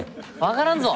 分からんぞ！